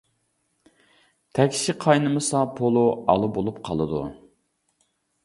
تەكشى قاينىمىسا، پولۇ ئالا بولۇپ قالىدۇ.